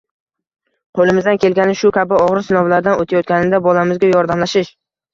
Qo‘limizdan kelgani – shu kabi og‘ir sinovlardan o‘tayotganida bolamizga yordamlashish.